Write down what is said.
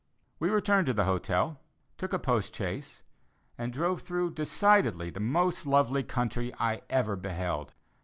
We returned to the hotel, took a post chaise, and drove through decidedly the most lovely country I ever beheld.